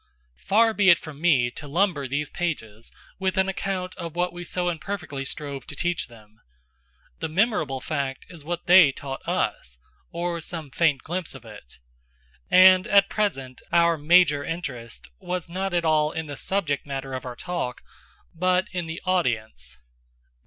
Far be it from me to lumber these pages with an account of what we so imperfectly strove to teach them. The memorable fact is what they taught us, or some faint glimpse of it. And at present, our major interest was not at all in the subject matter of our talk, but in the audience.